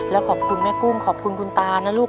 แล้วขอบคุณแม่กุ้งขอบคุณคุณตานะลูก